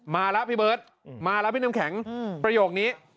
มาแล้วพี่เบิร์ตมาแล้วพี่น้ำแข็งประโยคนี้